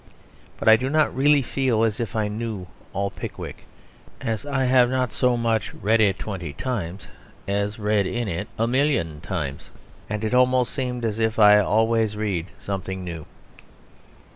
But I do not really feel as if I knew all Pickwick; I have not so much read it twenty times as read in it a million times; and it almost seemed as if I always read something new.